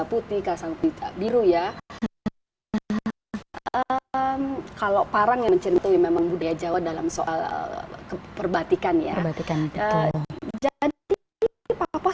putih kasang biru ya kalau parang yang mencintai memang budaya jawa dalam soal perbatikan ya